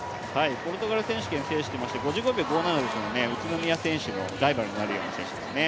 ポルトガル選手権を制していまして５５秒５７、宇都宮選手のライバルになるような選手ですね。